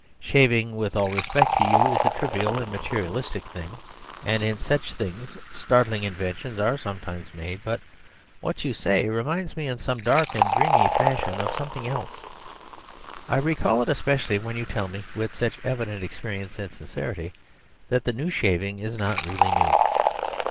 Shaving, with all respect to you, is a trivial and materialistic thing, and in such things startling inventions are sometimes made. But what you say reminds me in some dark and dreamy fashion of something else. I recall it especially when you tell me, with such evident experience and sincerity, that the new shaving is not really new.